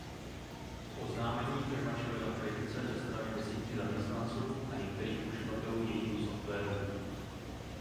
Po oznámení firma čelila kritice ze strany desítky zaměstnanců a některých uživatelů jejího softwaru.